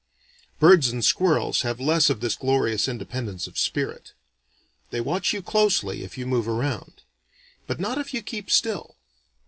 Birds and squirrels have less of this glorious independence of spirit. They watch you closely if you move around. But not if you keep still.